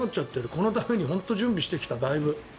このために本当に準備してきた。